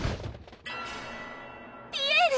ピエール！